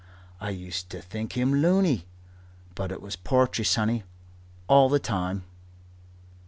I used to think him loony. But it was po'try, sonny, all the time."